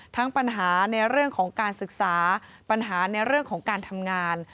ทั้งปัญหาในเรื่องของการศึกษาปัญหาในเรื่องของการทำงาน